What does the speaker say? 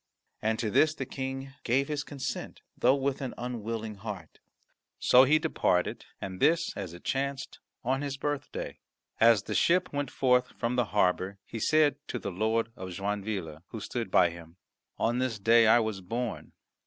And to this the King gave his consent, though with an unwilling heart. So he departed, and this, as it chanced, on his birthday. As the ship went forth from the harbour he said to the Lord of Joinville, who stood by him, "On this day I was born."